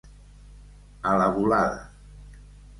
A la volada.